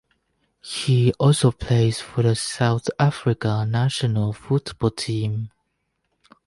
He also plays for the South Africa national football team.